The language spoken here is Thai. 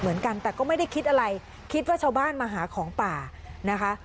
เหมือนกันแต่ก็ไม่ได้คิดอะไรคิดว่าชาวบ้านมาหาของป่านะคะ